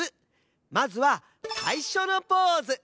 まずはさいしょのポーズ。